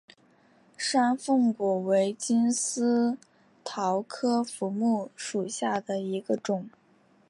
山凤果为金丝桃科福木属下的一个种。